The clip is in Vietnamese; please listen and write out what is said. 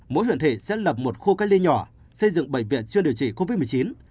mỗi huyện thị sẽ lập một khu cách ly nhỏ xây dựng bệnh viện chưa điều trị covid một mươi chín